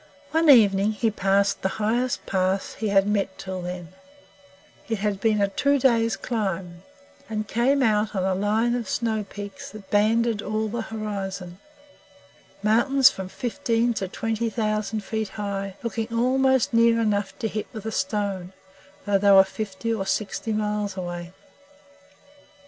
One evening he crossed the highest pass he had met till then it had been a two day's climb and came out on a line of snow peaks that banded all the horizon mountains from fifteen to twenty thousand feet high, looking almost near enough to hit with a stone, though they were fifty or sixty miles away.